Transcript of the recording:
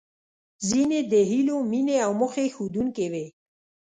ځينې د هیلو، مينې او موخې ښودونکې وې.